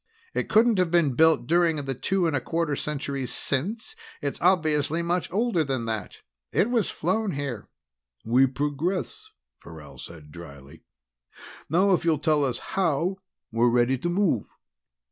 It couldn't have been built during the two and a quarter centuries since; it's obviously much older than that. It was flown here." "We progress," Farrell said dryly. "Now if you'll tell us how, we're ready to move."